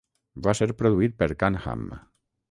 Va ser produït per Canham.